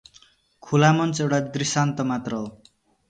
खुलामञ्च एउटा दृष्टान्त मात्र हो ।